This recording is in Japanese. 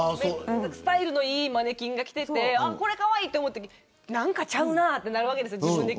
スタイルのいいマネキンが着ていてこれ、かわいいと思ったときに何かちゃうなとなるわけですよ。